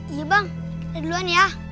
iya bang ada duluan ya